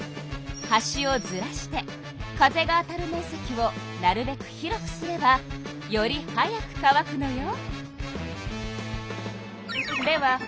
端をずらして風が当たる面積をなるべく広くすればより早く乾くのよ。